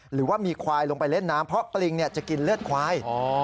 หรือว่ามีควายลงไปเล่นน้ำเพราะปริงจะกินเลือดควาย